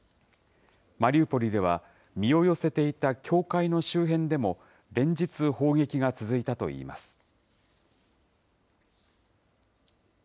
マリウポリでは、身を寄せていた教会の周辺でも、連日砲撃が続いたといいます。